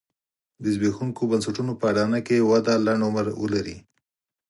د زبېښونکو بنسټونو په اډانه کې وده لنډ عمر ولري.